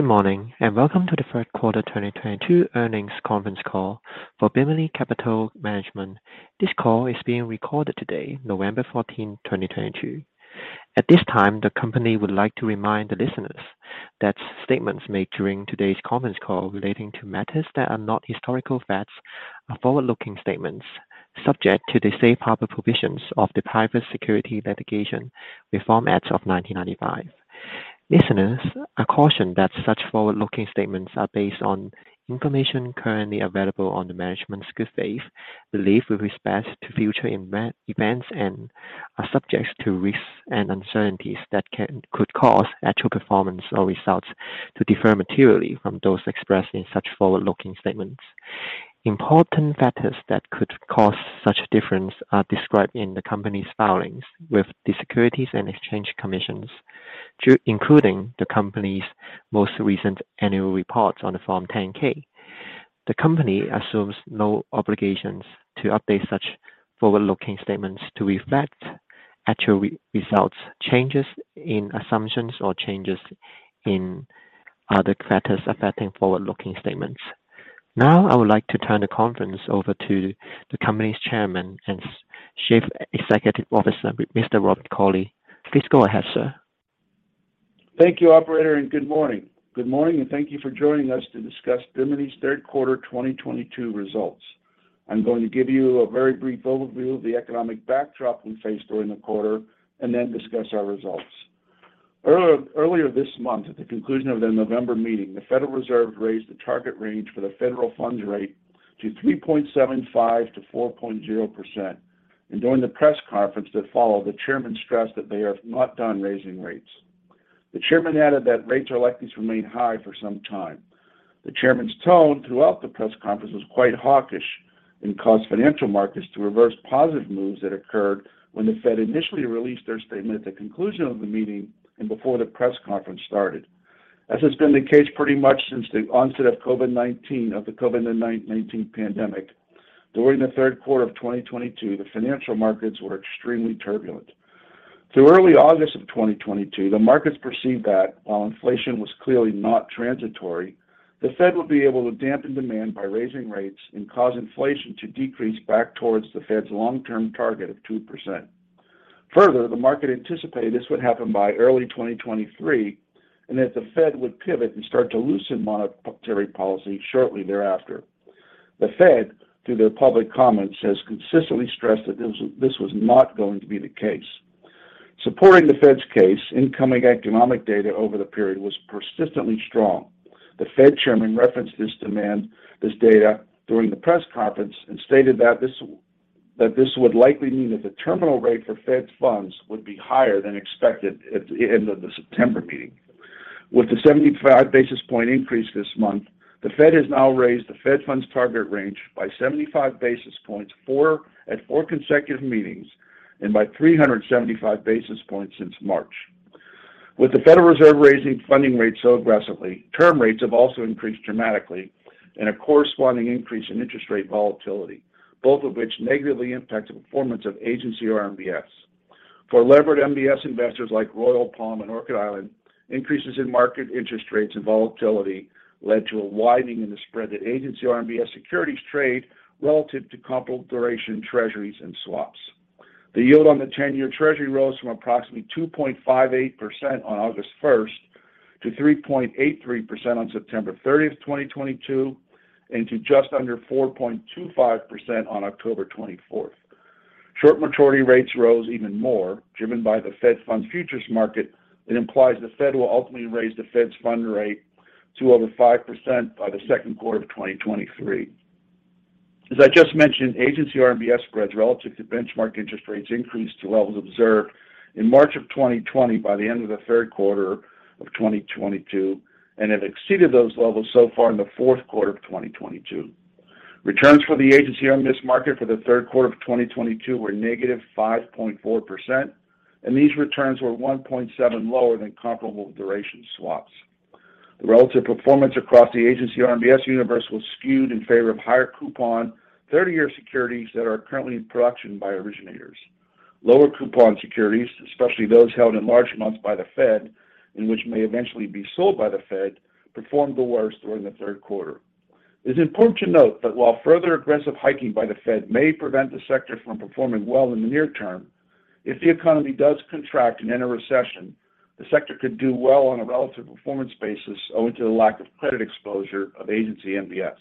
Good morning, and welcome to the third quarter 2022 earnings conference call for Bimini Capital Management. This call is being recorded today, November 14, 2022. At this time, the company would like to remind the listeners that statements made during today's conference call relating to matters that are not historical facts are forward-looking statements subject to the safe harbor provisions of the Private Securities Litigation Reform Act of 1995. Listeners are cautioned that such forward-looking statements are based on information currently available on the management's good faith belief with respect to future events and are subject to risks and uncertainties that could cause actual performance or results to differ materially from those expressed in such forward-looking statements. Important factors that could cause such difference are described in the company's filings with the Securities and Exchange Commission, including the company's most recent annual report on Form 10-K. The company assumes no obligations to update such forward-looking statements to reflect actual results, changes in assumptions or changes in other factors affecting forward-looking statements. Now I would like to turn the conference over to the company's Chairman and Chief Executive Officer, Mr. Rob Cauley. Please go ahead, sir. Thank you, operator, and good morning. Good morning, and thank you for joining us to discuss Bimini's third quarter 2022 results. I'm going to give you a very brief overview of the economic backdrop we faced during the quarter and then discuss our results. Earlier this month, at the conclusion of the November meeting, the Federal Reserve raised the target range for the federal funds rate to 3.75%-4.00%. During the press conference that followed, the chairman stressed that they are not done raising rates. The chairman added that rates are likely to remain high for some time. The chairman's tone throughout the press conference was quite hawkish and caused financial markets to reverse positive moves that occurred when the Fed initially released their statement at the conclusion of the meeting and before the press conference started. As has been the case pretty much since the onset of COVID-19 pandemic, during the third quarter of 2022, the financial markets were extremely turbulent. Through early August of 2022, the markets perceived that while inflation was clearly not transitory, the Fed would be able to dampen demand by raising rates and cause inflation to decrease back towards the Fed's long-term target of 2%. Further, the market anticipated this would happen by early 2023 and that the Fed would pivot and start to loosen monetary policy shortly thereafter. The Fed, through their public comments, has consistently stressed that this was not going to be the case. Supporting the Fed's case, incoming economic data over the period was persistently strong. The Fed chairman referenced this data during the press conference and stated that this would likely mean that the terminal rate for Fed funds would be higher than expected at the end of the September meeting. With the 75 basis points increase this month, the Fed has now raised the Fed funds target range by 75 basis points at four consecutive meetings and by 375 basis points since March. With the Federal Reserve raising funding rates so aggressively, term rates have also increased dramatically and a corresponding increase in interest rate volatility, both of which negatively impact the performance of agency RMBS. For levered MBS investors like Royal Palm and Orchid Island, increases in market interest rates and volatility led to a widening in the spread that agency RMBS securities trade relative to comparable duration Treasuries and swaps. The yield on the 10-year Treasury rose from approximately 2.58% on August 1st to 3.83% on September 30th, 2022, and to just under 4.25% on October 24th. Short maturity rates rose even more, driven by the Fed funds futures market that implies the Fed will ultimately raise the Fed funds rate to over 5% by the second quarter of 2023. As I just mentioned, Agency RMBS spreads relative to benchmark interest rates increased to levels observed in March of 2020 by the end of the third quarter of 2022, and it exceeded those levels so far in the fourth quarter of 2022. Returns for the Agency RMBS market for the third quarter of 2022 were -5.4%, and these returns were 1.7 lower than comparable duration swaps. The relative performance across the Agency RMBS universe was skewed in favor of higher coupon, 30-year securities that are currently in production by originators. Lower coupon securities, especially those held in large amounts by the Fed, and which may eventually be sold by the Fed, performed the worst during the third quarter. It's important to note that while further aggressive hiking by the Fed may prevent the sector from performing well in the near term, if the economy does contract and enter recession, the sector could do well on a relative performance basis owing to the lack of credit exposure of agency MBS.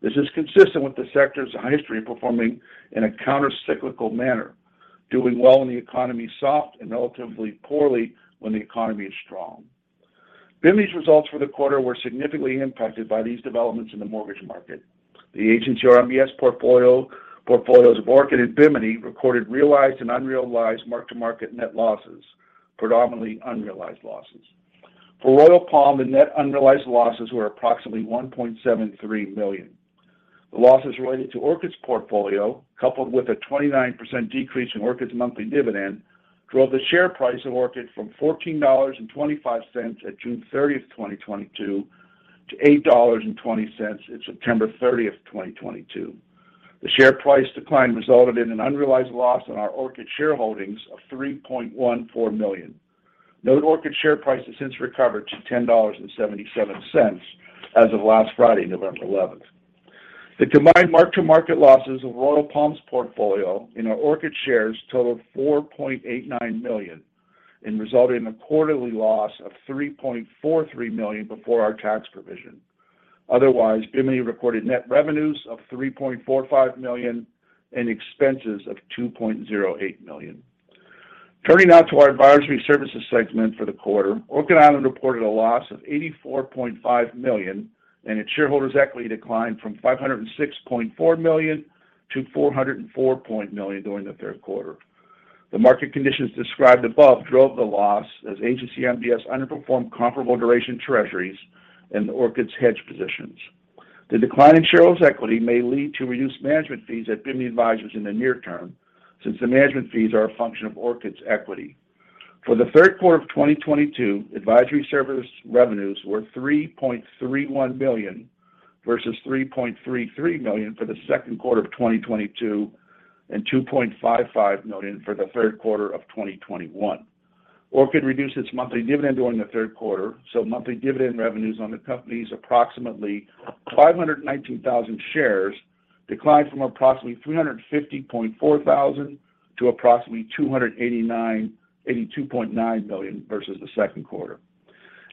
This is consistent with the sector's history performing in a countercyclical manner, doing well when the economy is soft and relatively poorly when the economy is strong. Bimini's results for the quarter were significantly impacted by these developments in the mortgage market. The agency RMBS portfolios of Orchid and Bimini recorded realized and unrealized mark-to-market net losses, predominantly unrealized losses. For Royal Palm, the net unrealized losses were approximately $1.73 million. The losses related to Orchid's portfolio, coupled with a 29% decrease in Orchid's monthly dividend, drove the share price of Orchid from $14.25 at June 30, 2022 to $8.20 at September 30, 2022. The share price decline resulted in an unrealized loss on our Orchid shareholdings of $3.14 million. Note Orchid share price has since recovered to $10.77 as of last Friday, November eleventh. The combined mark-to-market losses of Royal Palm's portfolio in our Orchid shares totaled $4.89 million and resulted in a quarterly loss of $3.43 million before our tax provision. Otherwise, Bimini reported net revenues of $3.45 million and expenses of $2.08 million. Turning now to our advisory services segment for the quarter. Orchid Island reported a loss of $84.5 million, and its shareholders' equity declined from $506.4 million to $404 million during the third quarter. The market conditions described above drove the loss as Agency MBS underperformed comparable duration Treasuries and Orchid's hedge positions. The decline in shareholders' equity may lead to reduced management fees at Bimini Advisors in the near term, since the management fees are a function of Orchid's equity. For the third quarter of 2022, advisory service revenues were $3.31 million versus $3.33 million for the second quarter of 2022 and $2.55 million for the third quarter of 2021. Orchid reduced its monthly dividend during the third quarter, so monthly dividend revenues on the company's approximately 519,000 shares declined from approximately $350.4 thousand to approximately $282.9 thousand versus the second quarter.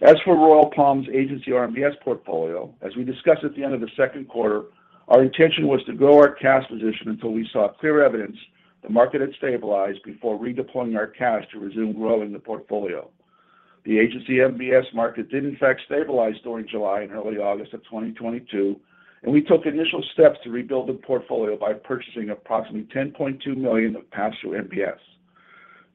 As for Royal Palm's Agency RMBS portfolio, as we discussed at the end of the second quarter, our intention was to grow our cash position until we saw clear evidence the market had stabilized before redeploying our cash to resume growing the portfolio. The agency MBS market did in fact stabilize during July and early August of 2022, and we took initial steps to rebuild the portfolio by purchasing approximately $10.2 million of pass-through MBS.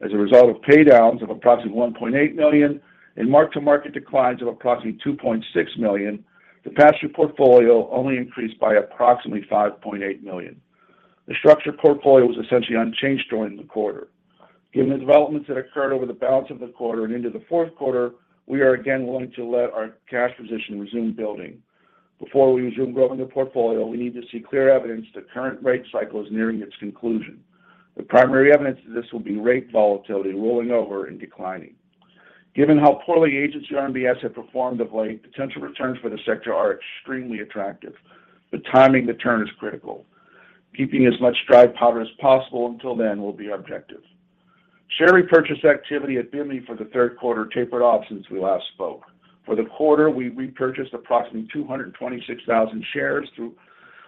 As a result of pay downs of approximately $1.8 million and mark-to-market declines of approximately $2.6 million, the pass-through portfolio only increased by approximately $5.8 million. The structured portfolio was essentially unchanged during the quarter. Given the developments that occurred over the balance of the quarter and into the fourth quarter, we are again willing to let our cash position resume building. Before we resume growing the portfolio, we need to see clear evidence the current rate cycle is nearing its conclusion. The primary evidence of this will be rate volatility rolling over and declining. Given how poorly agency RMBS have performed of late, potential returns for the sector are extremely attractive, but timing the turn is critical. Keeping as much dry powder as possible until then will be our objective. Share repurchase activity at Bimini for the third quarter tapered off since we last spoke. For the quarter, we repurchased approximately 226,000 shares,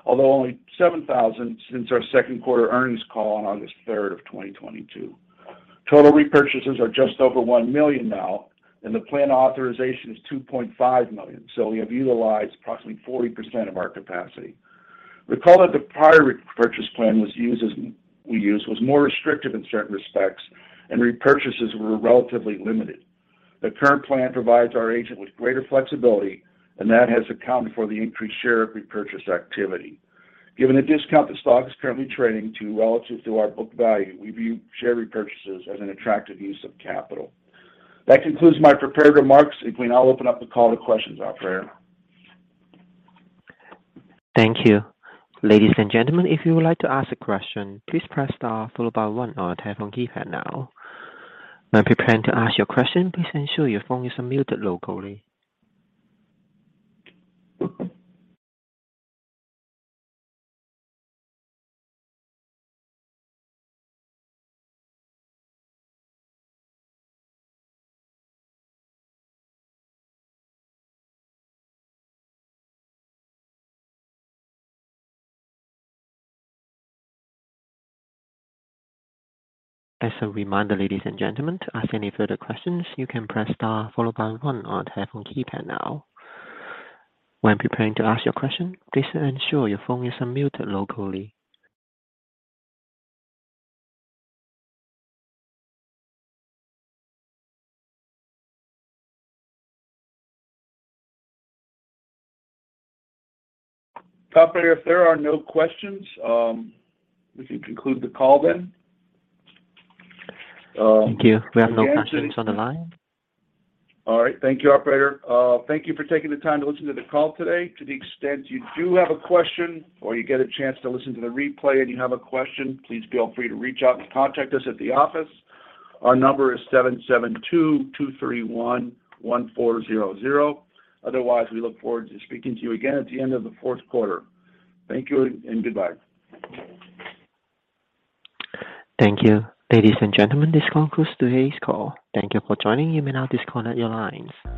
although only 7,000 since our second quarter earnings call on August third of 2022. Total repurchases are just over one million now, and the plan authorization is 2.5 million. We have utilized approximately 40% of our capacity. Recall that the prior repurchase plan we used was more restrictive in certain respects and repurchases were relatively limited. The current plan provides our agent with greater flexibility, and that has accounted for the increased share repurchase activity. Given the discount the stock is currently trading to relative to our book value, we view share repurchases as an attractive use of capital. That concludes my prepared remarks. If we now open up the call to questions, operator. Thank you. Ladies and gentlemen, if you would like to ask a question, please press star followed by one on your telephone keypad now. When preparing to ask your question, please ensure your phone is unmuted locally. As a reminder, ladies and gentlemen, to ask any further questions, you can press star followed by one on your telephone keypad now. When preparing to ask your question, please ensure your phone is unmuted locally. Operator, if there are no questions, we can conclude the call then. Thank you. We have no questions on the line. All right. Thank you, operator. Thank you for taking the time to listen to the call today. To the extent you do have a question or you get a chance to listen to the replay and you have a question, please feel free to reach out to contact us at the office. Our number is 772-231-1400. Otherwise, we look forward to speaking to you again at the end of the fourth quarter. Thank you and goodbye. Thank you. Ladies and gentlemen, this concludes today's call. Thank you for joining. You may now disconnect your lines.